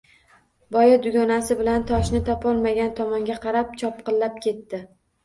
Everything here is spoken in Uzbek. Boya dugonasi bilan toshni topolmagan tomonga qarab chopqillab ketdi